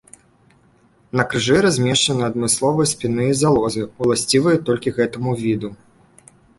На крыжы размешчаны адмысловыя спінныя залозы, уласцівыя толькі гэтаму віду.